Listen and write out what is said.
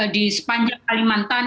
di sepanjang kalimantan